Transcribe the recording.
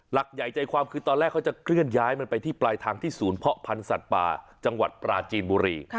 หลักใหญ่ใจความคือตอนแรกเขาจะเคลื่อนย้ายมันไปที่ปลายทางที่ศูนย์เพาะพันธ์สัตว์ป่าจังหวัดปราจีนบุรี